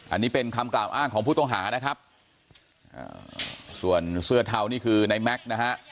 อันนี้เป็นคำกล่าวอ้างของผู้ต้องหานะครับส่วนเสื้อเทานี่คือในแม็กซ์นะฮะ